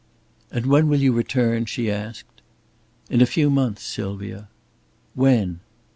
"And when will you return?" she asked. "In a few months, Sylvia." "When?"